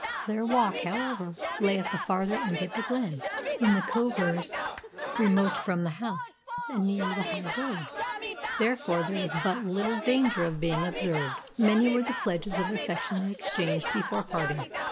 Their walk, however, lay at the farther end of the glen, in the coverts remote from the house and nearer the high road; therefore there was but little danger of being observed. Many were the pledges of affection they exchanged before parting.